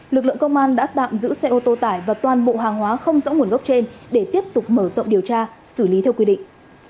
lực lượng công an đã tạm giữ xe ô tô tải và toàn bộ hàng hóa không rõ nguồn gốc trên để tiếp tục mở rộng điều tra xử lý theo quy định